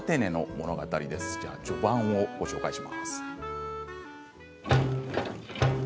物語の序盤をご紹介します。